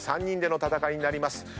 ３人での戦いになります。